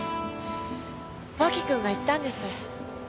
脇くんが言ったんです。